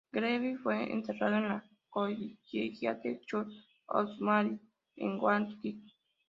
Greville fue enterrado en la Collegiate Church of St Mary en Warwick.